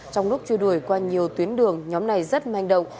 trong lúc truy đuổi qua nhiều tuyến đường nhóm này rất manh động